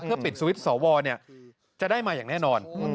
ปิดสวิตช์สวจะได้มาอย่างแน่นอน